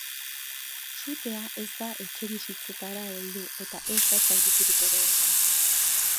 Sutea ez da etxebizitzetara heldu eta ez da zauriturik ere egon.